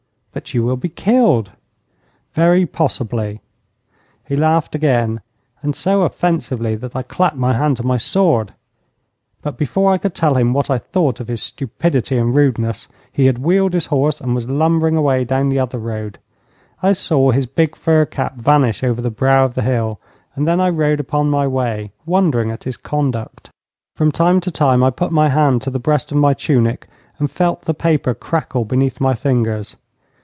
'But you will be killed.' 'Very possibly.' He laughed again, and so offensively that I clapped my hand to my sword. But before I could tell him what I thought of his stupidity and rudeness he had wheeled his horse, and was lumbering away down the other road. I saw his big fur cap vanish over the brow of the hill, and then I rode upon my way, wondering at his conduct. From time to time I put my hand to the breast of my tunic and felt the paper crackle beneath my fingers.